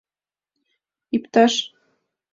Ипташ!